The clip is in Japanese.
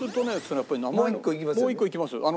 もう１個いきます。